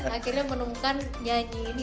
akhirnya menemukan nyanyi ini